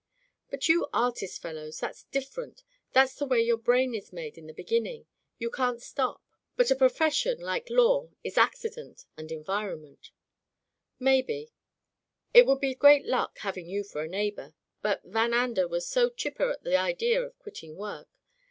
"But you artist fellows — that's different. That's the way your brain is made in the beginning. You can't stop. But a profes [ 320 ] Digitized by LjOOQ IC Turned Out to Grass sioiiy like law^ is accident and environ ment." "Maybe. It would be great luck, having you for a neighbor. But Van Ander was so chipper at the idea of quitting work.